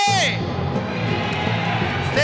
โอ้โอ้